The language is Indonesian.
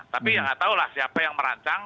tapi ya nggak tahulah siapa yang merancang